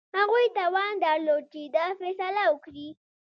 هغوی توان درلود چې دا فیصله وکړي.